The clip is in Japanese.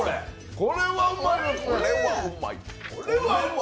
これはうまい！